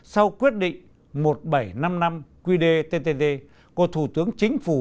sau quyết định một nghìn bảy trăm năm mươi năm qdttd của thủ tướng chính phủ